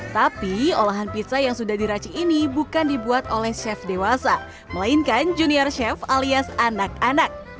tapi olahan pizza yang sudah diracik ini bukan dibuat oleh chef dewasa melainkan junior chef alias anak anak